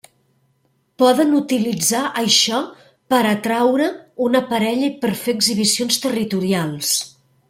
Poden utilitzar això per atraure una parella i per fer exhibicions territorials.